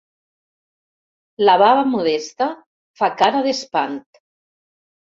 La baba Modesta fa cara d'espant.